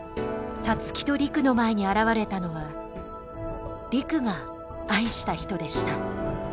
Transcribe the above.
皐月と陸の前に現れたのは陸が愛した人でした。